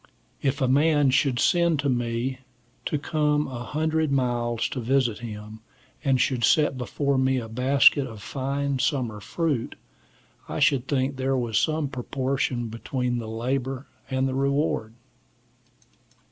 If a man should send to me to come a hundred miles to visit him, and should set before me a basket of fine summer fruit, I should think there was some proportion between the labor and the reward.